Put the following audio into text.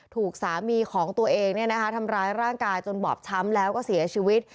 ถูกสามีของตัวเองทำร้ายร่างกายจนบอบช้ำแล้วก็เสียชีวิต